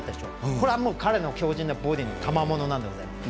これは彼の強じんなボディーのたまものなんです。